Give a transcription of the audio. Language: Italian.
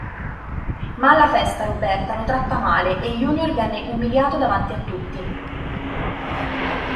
Ma alla festa Roberta lo tratta male e Junior viene umiliato davanti a tutti.